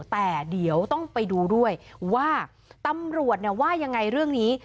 แต่เดี๋ยวต้องไปดูด้วยว่าตำรวจว่ายังไงเรื่องนี้